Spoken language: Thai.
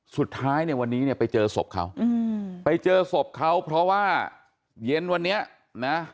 สุดท้ายเนี่ยวันนี้เนี่ยไปเจอศพเขาไปเจอศพเขาเพราะว่าเย็นวันนี้นะ